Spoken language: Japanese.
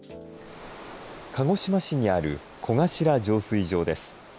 鹿児島市にある河頭浄水場です。